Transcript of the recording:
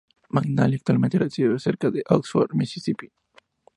McNally actualmente reside cerca de Oxford, Mississippi.